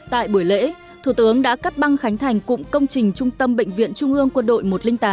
tại buổi lễ thủ tướng đã cắt băng khánh thành cụm công trình trung tâm bệnh viện trung ương quân đội một trăm linh tám